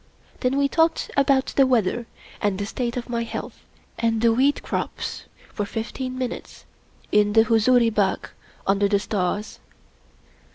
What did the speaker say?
Then we talked about the weather and the state of my health, and the wheat crops, for fifteen minutes, in the Huzuri Bagh, under the stars.